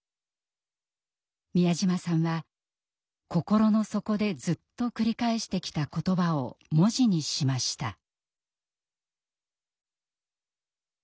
美谷島さんは心の底でずっと繰り返してきた言葉を文字にしました。